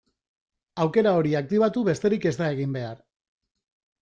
Aukera hori aktibatu besterik ez da egin behar.